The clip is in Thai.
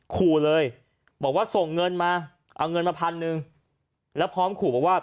ขู่เลยบอกว่าส่งเงินมาเอาเงินมาพันหนึ่งแล้วพร้อมขู่บอกว่า